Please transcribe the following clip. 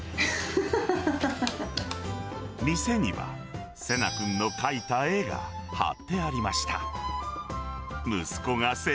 店には世夏君の描いた絵が貼ってありました。